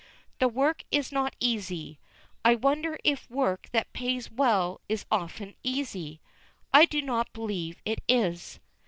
The work is not easy. I wonder if work that pays well is often easy? I do not believe it is.